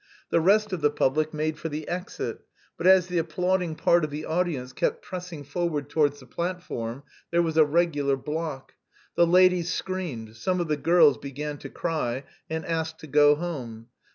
The rest of the public made for the exit, but as the applauding part of the audience kept pressing forward towards the platform, there was a regular block. The ladies screamed, some of the girls began to cry and asked to go home.